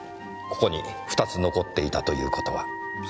ここに２つ残っていたという事は。